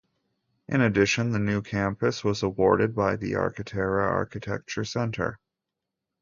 In addition, the new campus was awarded by the Arkitera Architecture Center.